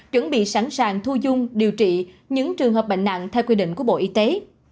chuẩn bị sẵn sàng thu dung điều trị những trường hợp bệnh nặng theo quy định của bộ y tế